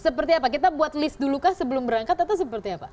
seperti apa kita buat list dulu kah sebelum berangkat atau seperti apa